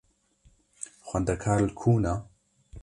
Xwendekar li ku ne?